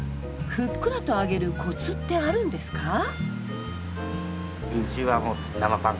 ふっくらと揚げるコツってあるんですか？